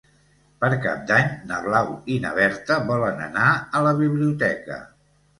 Per Cap d'Any na Blau i na Berta volen anar a la biblioteca.